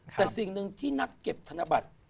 แต่สิ่งหนึ่งที่นักเก็บธนบัตร